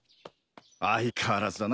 相変わらずだな